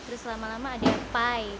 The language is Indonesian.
terus lama lama ada pie